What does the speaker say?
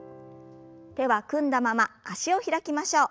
手は組んだまま脚を開きましょう。